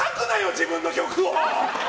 自分の曲を！